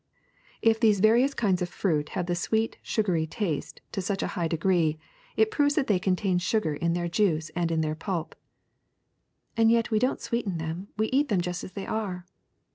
If these various kinds of fruit have the sweet, sugary taste to such a high degree, it proves that they contain sugar in their juice and m their pulp." And yet Ave don't sweeten them; we eat them just as they are."